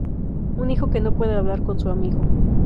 Un hijo que no puede hablar con su amigo.